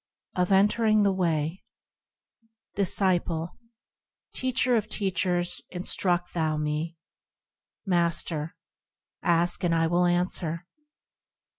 2. Of Entering the Way Disciple. Teacher of teachers, instruct thou me. Master. Ask, and I will answer.